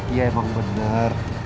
iya emang bener